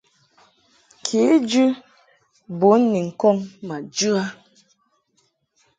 Kejɨ bun ni ŋkɔŋ ma jɨ a.